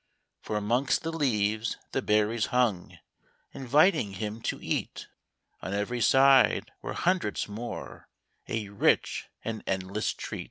For 'mongst the leaves the berries hung, Inviting him to eat ; On every side were hundreds more,— A rich and endless treat.